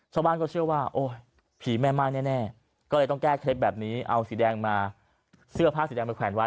ชาวบ้านก็เชื่อว่าโอ้ยผีแม่ไม้แน่ก็เลยต้องแก้เคล็ดแบบนี้เอาสีแดงมาเสื้อผ้าสีแดงไปแขวนไว้